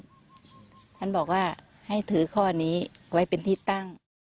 ท่านบอกว่าให้ถือข้อนี้ไว้เป็นที่ตั้ง